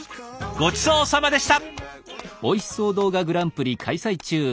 ごちそうさまでした。